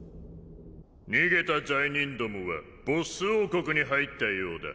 逃げた罪人どもはボッス王国に入ったようだ。